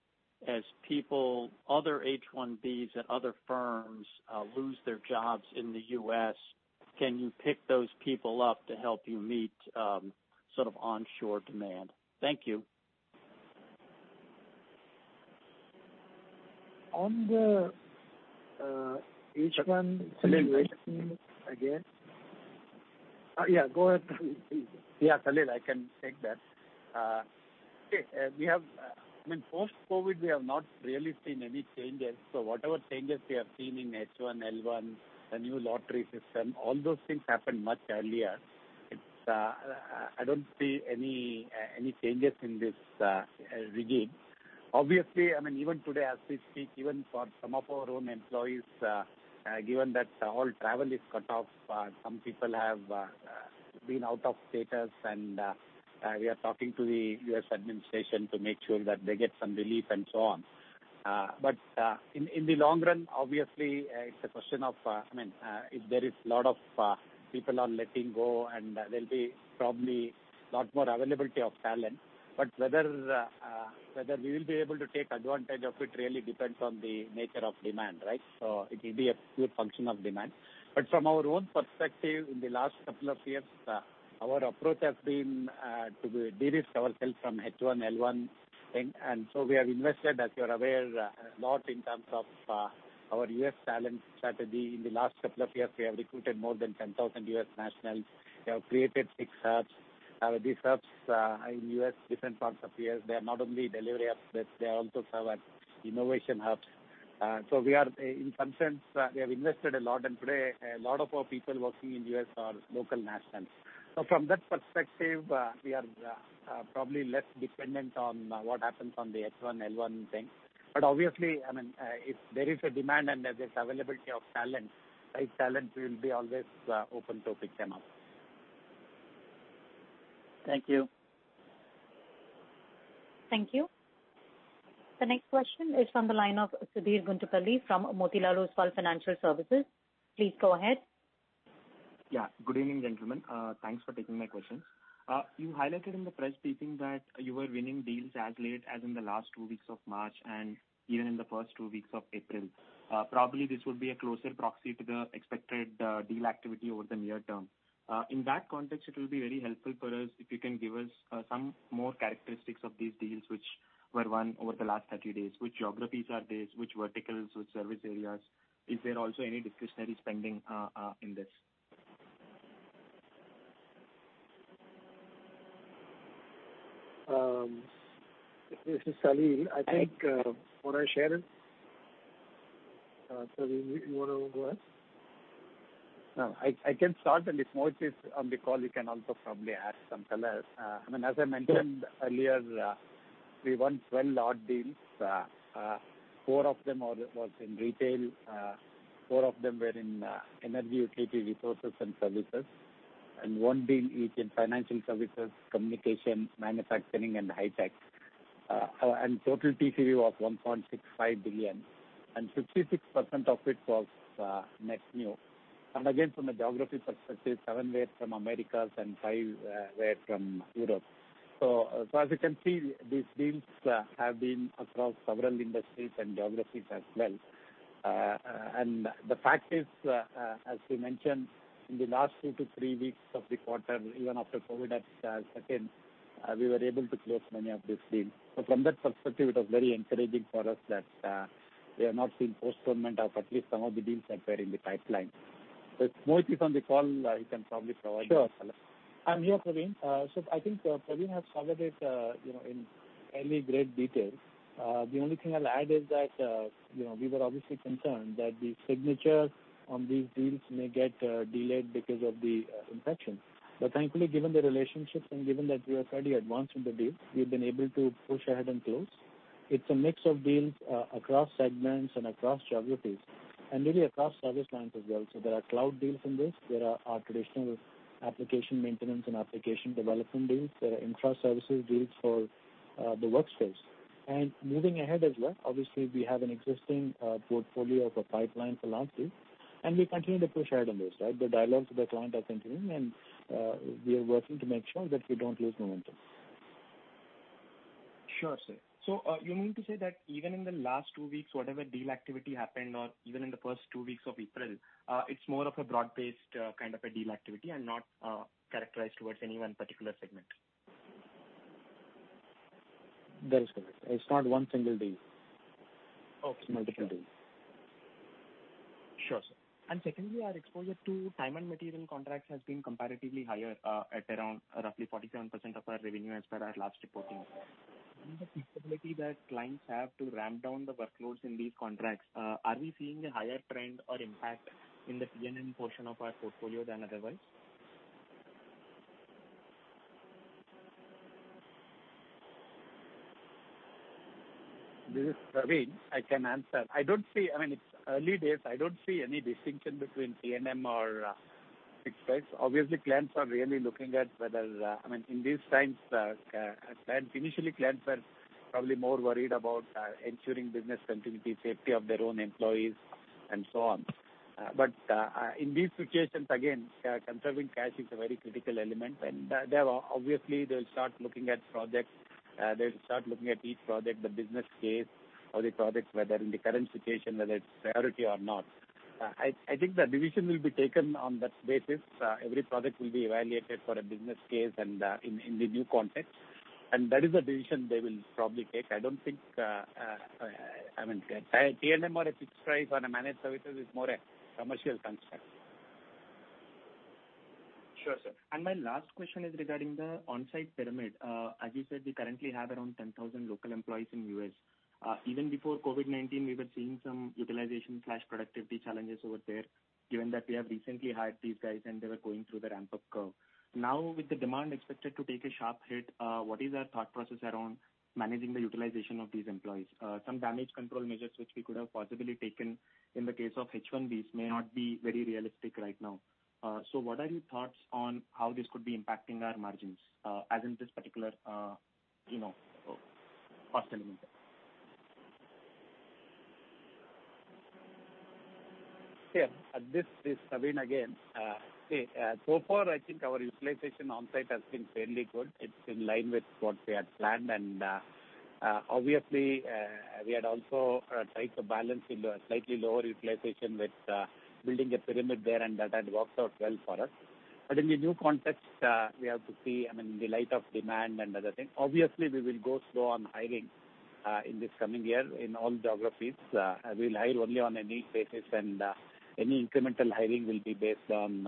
as people, other H-1Bs at other firms lose their jobs in the U.S., can you pick those people up to help you meet onshore demand? Thank you. On the H-1 situation again. Yeah, go ahead, Salil. Please. Yeah, Salil, I can take that. Okay. Post-COVID, we have not really seen any changes. Whatever changes we have seen in H-1, L-1, the new lottery system, all those things happened much earlier. I don't see any changes in this regime. Even today as we speak, even for some of our own employees, given that all travel is cut off, some people have been out of status, and we are talking to the U.S. administration to make sure that they get some relief and so on. In the long run, obviously, it's a question of, if there is a lot of people are letting go and there'll be probably a lot more availability of talent. Whether we will be able to take advantage of it really depends on the nature of demand, right? It will be a pure function of demand. From our own perspective, in the last couple of years, our approach has been to de-risk ourselves from H-1, L-1 thing. We have invested, as you're aware, a lot in terms of our U.S. talent strategy. In the last couple of years, we have recruited more than 10,000 U.S. nationals. We have created six hubs. These hubs are in different parts of the U.S. They are not only delivery hubs, but they are also our innovation hubs. We are, in some sense, we have invested a lot, and today a lot of our people working in the U.S. are local nationals. From that perspective, we are probably less dependent on what happens on the H-1, L-1 thing. Obviously, if there is a demand and there's availability of talent, right talent, we will be always open to pick them up. Thank you. Thank you. The next question is from the line of Sudhir Guntupalli from Motilal Oswal Financial Services. Please go ahead. Yeah. Good evening, gentlemen. Thanks for taking my questions. You highlighted in the press briefing that you were winning deals as late as in the last two weeks of March and even in the first two weeks of April. Probably this would be a closer proxy to the expected deal activity over the near term. In that context, it will be very helpful for us if you can give us some more characteristics of these deals which were won over the last 30 days. Which geographies are these? Which verticals? Which service areas? Is there also any discretionary spending in this? This is Salil. Want to share it? Salil, you want to go ahead? No. I can start, and if Mohit is on the call, he can also probably add some color. As I mentioned earlier, we won 12 large deals. Four of them was in retail, four of them were in energy, utility, resources, and services, and one deal each in financial services, communications, manufacturing, and high tech. Total TCV was 1.65 billion, and 66% of it was net new. Again, from a geography perspective, seven were from Americas and five were from Europe. As you can see, these deals have been across several industries and geographies as well. The fact is, as we mentioned in the last two to three weeks of the quarter, even after COVID had set in, we were able to close many of these deals. From that perspective, it was very encouraging for us that we have not seen postponement of at least some of the deals that were in the pipeline. Mohit is on the call, he can probably provide more color. Sure. I'm here, Praveen. I think Praveen has covered it in great detail. The only thing I'll add is that we were obviously concerned that the signatures on these deals may get delayed because of the infection. Thankfully, given the relationships and given that we are fairly advanced in the deal, we've been able to push ahead and close. It's a mix of deals across segments and across geographies, and really across service lines as well. There are cloud deals in this. There are traditional application maintenance and application development deals. There are infra services deals for the workspace. Moving ahead as well, obviously, we have an existing portfolio of a pipeline for launch deals, and we continue to push ahead on those. The dialogues with the client are continuing, and we are working to make sure that we don't lose momentum. Sure, sir. You mean to say that even in the last two weeks, whatever deal activity happened, or even in the first two weeks of April, it's more of a broad-based kind of a deal activity and not characterized towards any one particular segment? That is correct. It's not one single deal. Okay. It's multiple deals. Sure, sir. Secondly, our exposure to time and material contracts has been comparatively higher at around roughly 47% of our revenue as per our last reporting. In the feasibility that clients have to ramp down the workloads in these contracts, are we seeing a higher trend or impact in the T&M portion of our portfolio than otherwise? This is Pravin. I can answer. It's early days. I don't see any distinction between T&M or fixed price. Obviously, clients are really looking at In these times, initially clients were probably more worried about ensuring business continuity, safety of their own employees, and so on. In these situations, again, conserving cash is a very critical element, and obviously they'll start looking at each project, the business case or the projects, whether in the current situation, whether it's priority or not. I think the decision will be taken on that basis. Every project will be evaluated for a business case and in the new context. That is a decision they will probably take. T&M or a fixed price on a managed services is more a commercial construct. Sure, sir. My last question is regarding the on-site pyramid. As you said, we currently have around 10,000 local employees in U.S. Even before COVID-19, we were seeing some utilization/productivity challenges over there, given that we have recently hired these guys and they were going through the ramp-up curve. With the demand expected to take a sharp hit, what is our thought process around managing the utilization of these employees? Some damage control measures which we could have possibly taken in the case of H-1Bs may not be very realistic right now. What are your thoughts on how this could be impacting our margins, as in this particular first element? Yeah. This is Pravin again. See, so far I think our utilization on-site has been fairly good. It's in line with what we had planned. Obviously, we had also tried to balance in slightly lower utilization with building a pyramid there and that had worked out well for us. In the new context, we have to see in light of demand and other things. Obviously, we will go slow on hiring in this coming year in all geographies. We'll hire only on a need basis, and any incremental hiring will be based only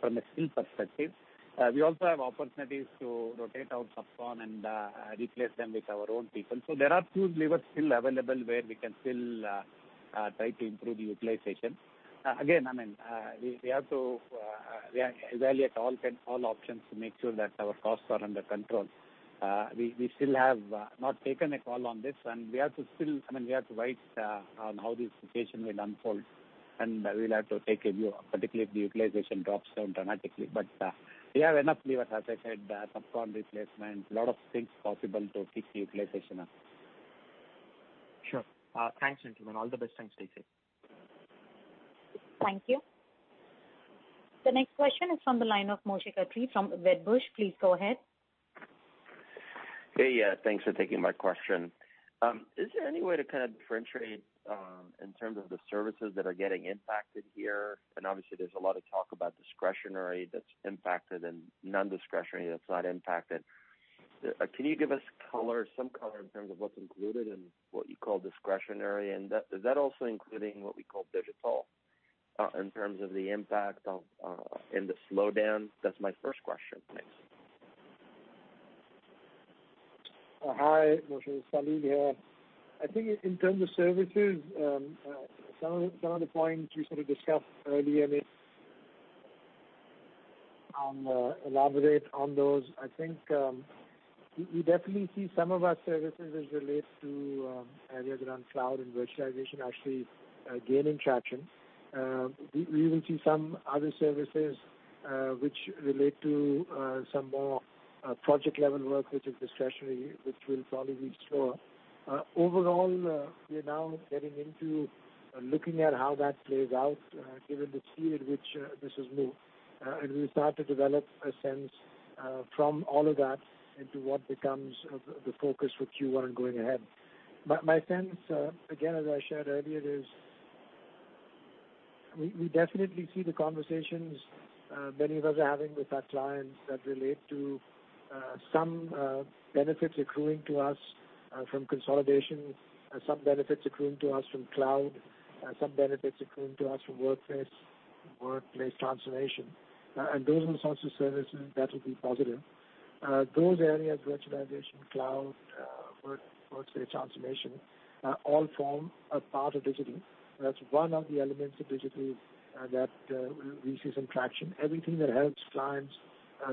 from a skill perspective. We also have opportunities to rotate out of town and replace them with our own people. There are two levers still available where we can still try to improve the utilization. Again, we have to evaluate all options to make sure that our costs are under control. We still have not taken a call on this, and we have to wait on how this situation will unfold, and we'll have to take a view, particularly if the utilization drops down dramatically. We have enough levers. As I said, the subcon replacement, a lot of things possible to fix utilization up. Sure. Thanks, gentlemen. All the best. Thanks. Take care. Thank you. The next question is from the line of Moshe Katri from Wedbush. Please go ahead. Hey. Thanks for taking my question. Is there any way to kind of differentiate in terms of the services that are getting impacted here? Obviously there's a lot of talk about discretionary that's impacted and non-discretionary that's not impacted. Can you give us some color in terms of what's included in what you call discretionary, and is that also including what we call digital in terms of the impact in the slowdown? That's my first question. Thanks. Hi, Moshe. It's Salil here. I think in terms of services, some of the points we sort of discussed earlier, I'll elaborate on those. I think we definitely see some of our services as relates to areas around cloud and virtualization actually gaining traction. We will see some other services Which relate to some more project-level work, which is discretionary, which will probably be slower. Overall, we are now getting into looking at how that plays out given the speed at which this is new. We start to develop a sense from all of that into what becomes the focus for Q1 going ahead. My sense, again, as I shared earlier, is we definitely see the conversations many of us are having with our clients that relate to some benefits accruing to us from consolidation, some benefits accruing to us from cloud, some benefits accruing to us from workplace transformation. Those are the sorts of services that will be positive. Those areas, virtualization, cloud, workplace transformation, all form a part of digital. That's one of the elements of digital that we see some traction. Everything that helps clients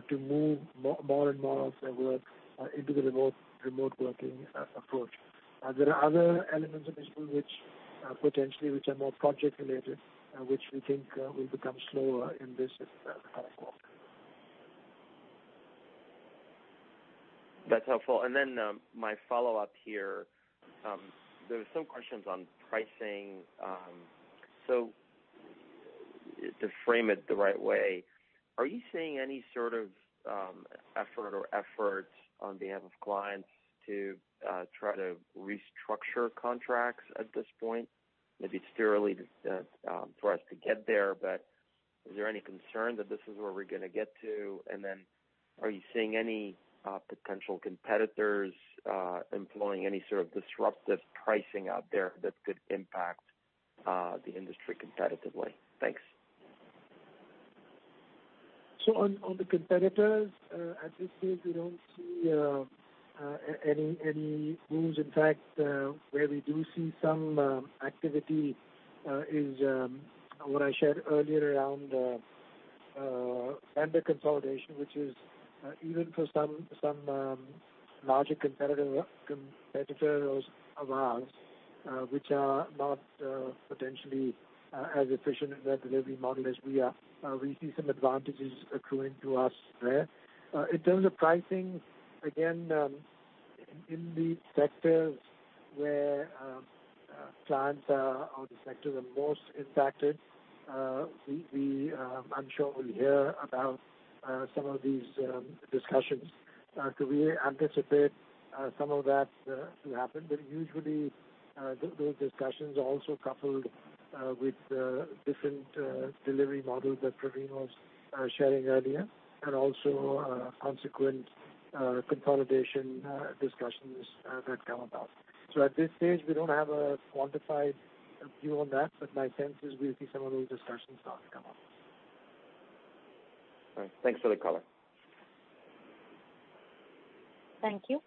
to move more and more of their work into the remote working approach. There are other elements of digital, potentially, which are more project-related, which we think will become slower in this kind of world. That's helpful. My follow-up here, there were some questions on pricing. To frame it the right way, are you seeing any sort of effort or efforts on behalf of clients to try to restructure contracts at this point? Maybe it's too early for us to get there, but is there any concern that this is where we're going to get to? Are you seeing any potential competitors employing any sort of disruptive pricing out there that could impact the industry competitively? Thanks. On the competitors, at this stage, we don't see any moves. In fact, where we do see some activity is what I shared earlier around vendor consolidation, which is even for some larger competitors of ours, which are not potentially as efficient in their delivery model as we are. We see some advantages accruing to us there. In terms of pricing, again, in the sectors where clients are, or the sectors are most impacted, I'm sure we'll hear about some of these discussions. We anticipate some of that to happen. Usually, those discussions are also coupled with different delivery models that Pravin was sharing earlier, and also consequent consolidation discussions that come about. At this stage, we don't have a quantified view on that, but my sense is we'll see some of those discussions start to come up. All right. Thanks for the color. Thank you.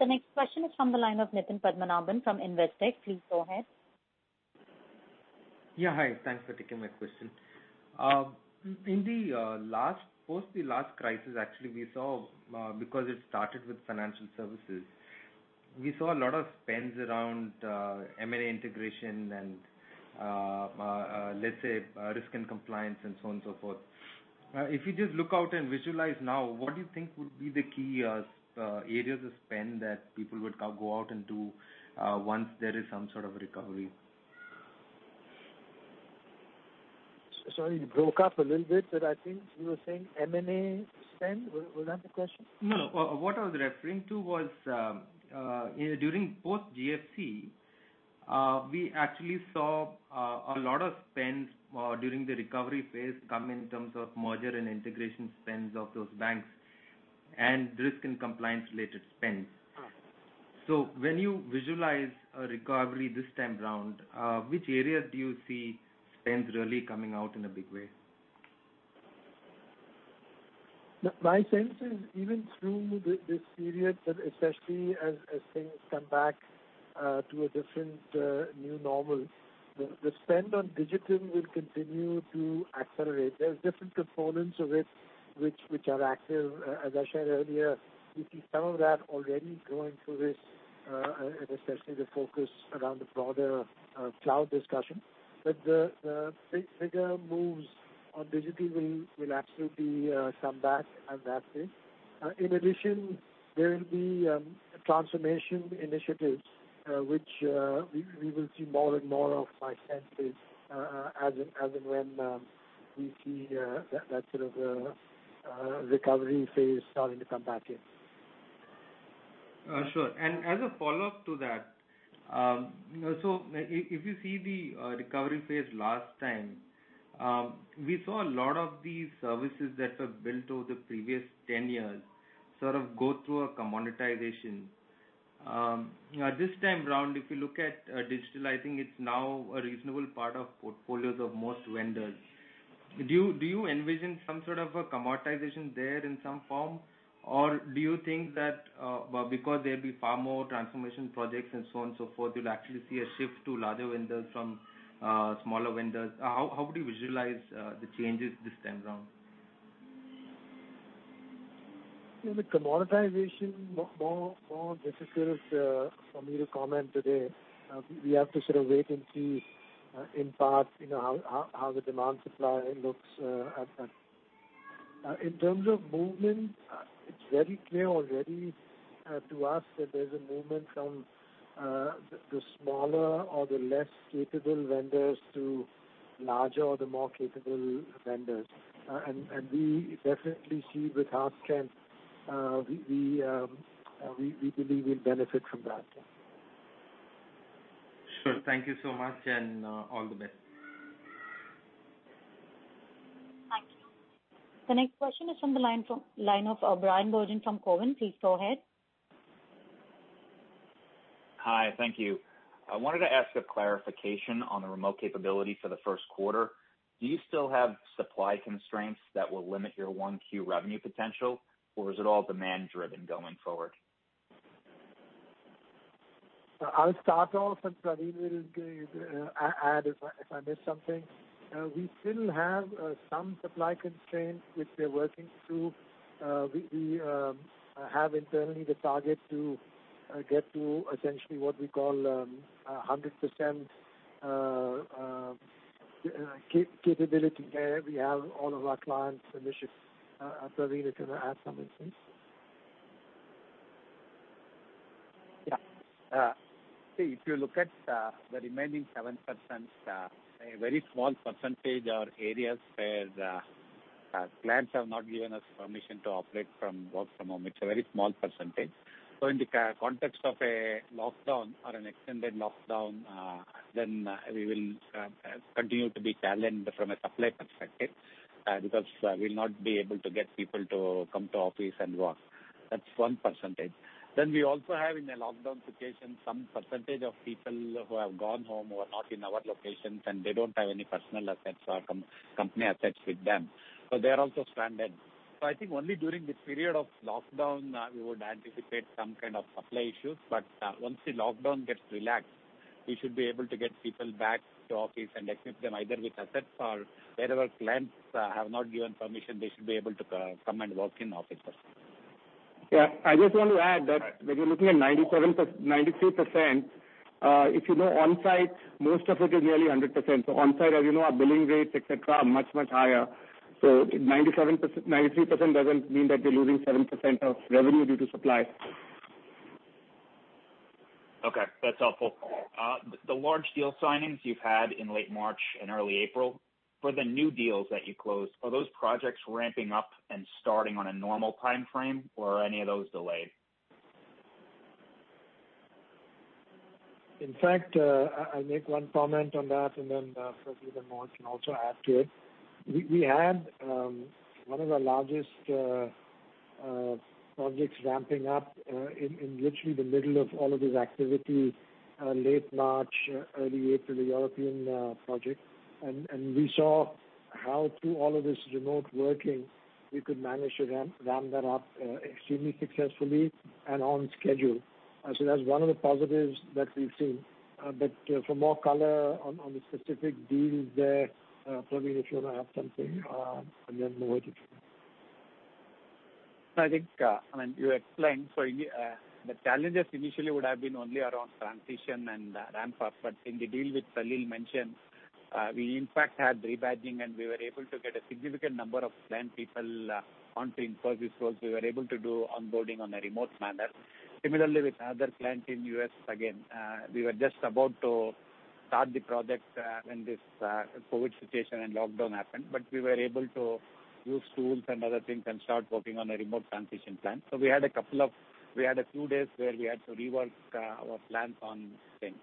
The next question is from the line of Nitin Padmanabhan from Investec. Please go ahead. Yeah, hi. Thanks for taking my question. Post the last crisis, actually, because it started with financial services, we saw a lot of spends around M&A integration and, let's say, risk and compliance and so on and so forth. If you just look out and visualize now, what do you think would be the key areas of spend that people would go out and do once there is some sort of recovery? Sorry, you broke up a little bit, but I think you were saying M&A spend. Was that the question? No. What I was referring to was, during post GFC, we actually saw a lot of spends during the recovery phase come in terms of merger and integration spends of those banks and risk and compliance-related spends. Oh. When you visualize a recovery this time around, which area do you see spends really coming out in a big way? My sense is even through this period, but especially as things come back to a different new normal, the spend on digital will continue to accelerate. There's different components of it which are active. As I shared earlier, we see some of that already going through this, and especially the focus around the broader cloud discussion. The bigger moves on digital will absolutely come back as that shifts. In addition, there will be transformation initiatives, which we will see more and more of, my sense is, as and when we see that sort of recovery phase starting to come back in. Sure. As a follow-up to that, if you see the recovery phase last time, we saw a lot of these services that were built over the previous 10 years sort of go through a commoditization. This time around, if you look at digital, I think it's now a reasonable part of portfolios of most vendors. Do you envision some sort of a commoditization there in some form? Do you think that because there'll be far more transformation projects and so on so forth, you'll actually see a shift to larger vendors from smaller vendors? How would you visualize the changes this time around? The commoditization, more difficult for me to comment today. We have to sort of wait and see, in part, how the demand supply looks at that. In terms of movement, it's very clear already to us that there's a movement from the smaller or the less capable vendors to larger or the more capable vendors. We definitely see with our strength, we believe we'll benefit from that. Sure. Thank you so much. All the best. Thank you. The next question is from the line of Bryan Bergin from Cowen. Please go ahead. Hi. Thank you. I wanted to ask a clarification on the remote capability for the first quarter. Do you still have supply constraints that will limit your one Q revenue potential, or is it all demand-driven going forward? I'll start off, and Pravin is going to add if I miss something. We still have some supply constraints which we're working through. We have internally the target to get to essentially what we call 100% capability, where we have all of our clients initiatives. Pravin is going to add something since. Yeah. If you look at the remaining 7%, a very small percentage are areas where clients have not given us permission to operate from work from home. It's a very small percentage. In the context of a lockdown or an extended lockdown, we will continue to be challenged from a supply perspective, because we'll not be able to get people to come to office and work. That's one percentage. We also have, in a lockdown situation, some percentage of people who have gone home who are not in our locations, and they don't have any personal assets or company assets with them, they are also stranded. I think only during this period of lockdown we would anticipate some kind of supply issues, but once the lockdown gets relaxed, we should be able to get people back to office and equip them either with assets or wherever clients have not given permission, they should be able to come and work in offices. I just want to add that when you're looking at 93%, if you know onsite, most of it is nearly 100%. Onsite, as you know, our billing rates, et cetera, are much higher. 93% doesn't mean that we're losing 7% of revenue due to supply. Okay. That's helpful. The large deal signings you've had in late March and early April, for the new deals that you closed, are those projects ramping up and starting on a normal timeframe, or are any of those delayed? In fact, I'll make one comment on that, and then Praveen and Mohit can also add to it. We had one of our largest projects ramping up in literally the middle of all of this activity, late March, early April, the European project. We saw how through all of this remote working, we could manage to ramp that up extremely successfully and on schedule. That's one of the positives that we've seen. For more color on the specific deals there, Praveen, if you want to add something, and then Mohit. I think, I mean, you explained. The challenges initially would have been only around transition and ramp up. In the deal which Salil mentioned, we in fact had rebadging, and we were able to get a significant number of client people onto Infosys, whereas we were able to do onboarding on a remote manner. Similarly with another client in U.S., again, we were just about to start the project when this COVID situation and lockdown happened. We were able to use tools and other things and start working on a remote transition plan. We had a few days where we had to rework our plans on things.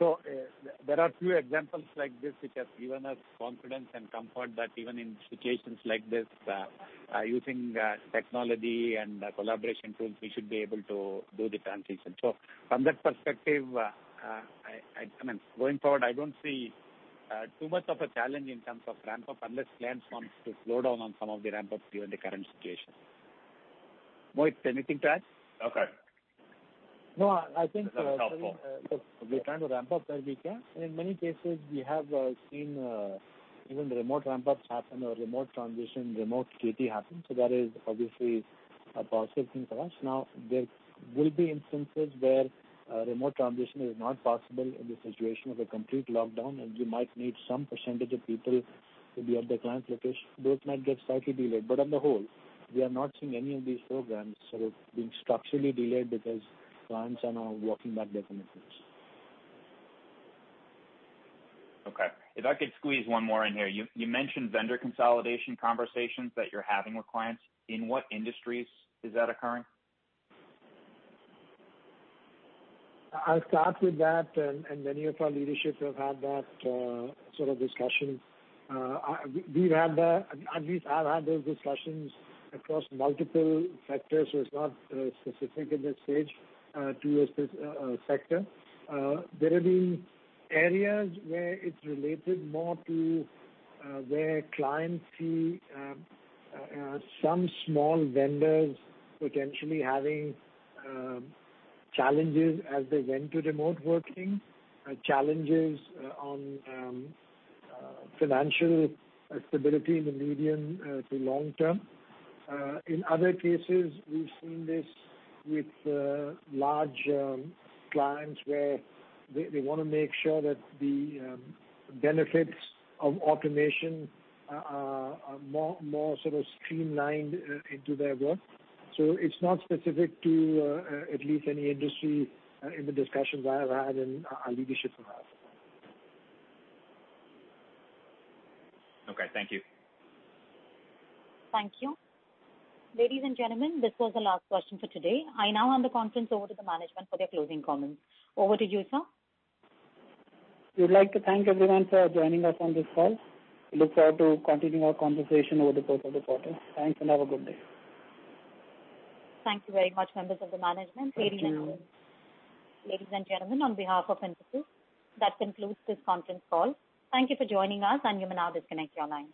There are few examples like this which has given us confidence and comfort that even in situations like this, using technology and collaboration tools, we should be able to do the transition. From that perspective, going forward, I don't see too much of a challenge in terms of ramp up unless clients want to slow down on some of the ramp up given the current situation. Mohit, anything to add? Okay. No, I think- That's helpful. We're trying to ramp up where we can, in many cases, we have seen even the remote ramp ups happen or remote transition, remote DT happen. That is obviously a positive thing for us. There will be instances where a remote transition is not possible in the situation of a complete lockdown, we might need some percentage of people to be at the client location. Those might get slightly delayed. On the whole, we are not seeing any of these programs sort of being structurally delayed because clients are now working back their commitments. Okay. If I could squeeze one more in here. You mentioned vendor consolidation conversations that you're having with clients. In what industries is that occurring? I'll start with that, and many of our leadership have had that sort of discussion. We've had that, at least I've had those discussions across multiple sectors, so it's not specific at this stage to a sector. There have been areas where it's related more to where clients see some small vendors potentially having challenges as they went to remote working, challenges on financial stability in the medium to long term. In other cases, we've seen this with large clients where they want to make sure that the benefits of automation are more sort of streamlined into their work. It's not specific to at least any industry in the discussions I have had and our leadership have had. Okay. Thank you. Thank you. Ladies and gentlemen, this was the last question for today. I now hand the conference over to the management for their closing comments. Over to you, sir. We'd like to thank everyone for joining us on this call. Look forward to continuing our conversation over the course of the quarter. Thanks, and have a good day. Thank you very much, members of the management. Thank you. Ladies and gentlemen, on behalf of Infosys, that concludes this conference call. Thank you for joining us, and you may now disconnect your lines.